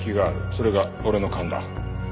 それが俺の勘だ。